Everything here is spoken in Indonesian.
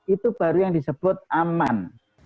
itu baru yang disebut aman